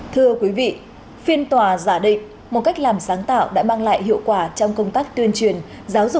thưa quý vị phiên tòa giả định một cách làm sáng tạo